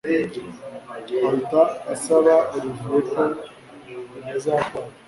ahita asaba Olivier ko yazatwara